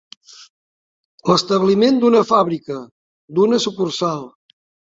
L'establiment d'una fàbrica, d'una sucursal.